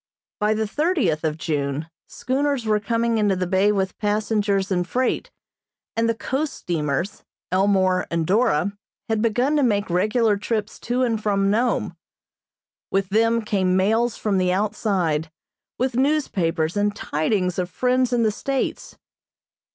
By the thirtieth of June schooners were coming into the bay with passengers and freight, and the coast steamers, "Elmore" and "Dora," had begun to make regular trips to and from Nome. With them came mails from the outside, with newspapers and tidings of friends in the States.